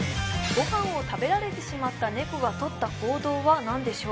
ご飯を食べられてしまったネコがとった行動は何でしょう？